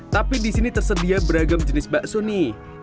tapi di sini tersedia beragam jenis bakso nih